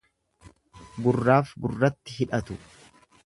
Gurraaf gurratti hidhatu.